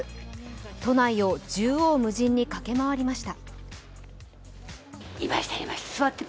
都内を縦横無尽に駆け巡りました。